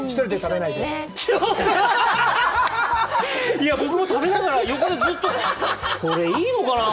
いや僕も食べながら横でずっと、これ、いいのかなぁ、